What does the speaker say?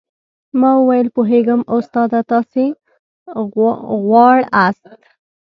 ما وويل پوهېږم استاده تاسې غواړاست.